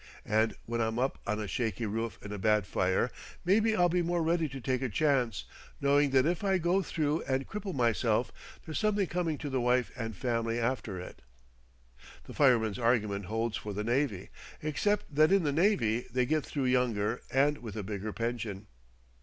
And when I'm up on a shaky roof in a bad fire, maybe I'll be more ready to take a chance, knowing that if I go through and cripple myself, there's something coming to the wife and family after it." The fireman's argument holds for the navy, except that in the navy they get through younger and with a bigger pension.